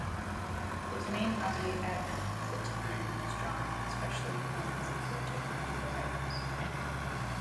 His main hobby at the time was drawing, especially planes and other technological items.